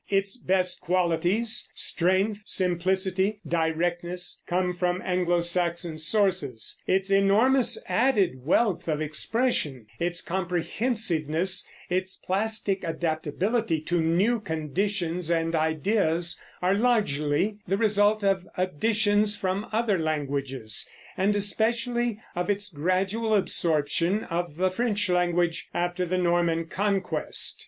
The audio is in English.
Its best qualities strength, simplicity, directness come from Anglo Saxon sources; its enormous added wealth of expression, its comprehensiveness, its plastic adaptability to new conditions and ideas, are largely the result of additions from other languages, and especially of its gradual absorption of the French language after the Norman Conquest.